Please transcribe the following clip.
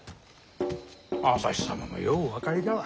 旭様もようお分かりだわ。